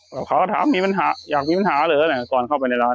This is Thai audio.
แล้วเขาก็ถามมีปัญหาอยากมีปัญหาเหรอก่อนเข้าไปในร้าน